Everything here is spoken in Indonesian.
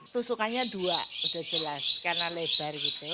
tusukannya dua sudah jelas karena lebar